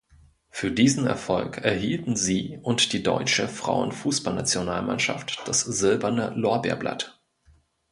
Für diesen Erfolg erhielten sie und die deutsche Frauenfußballnationalmannschaft das Silberne Lorbeerblatt.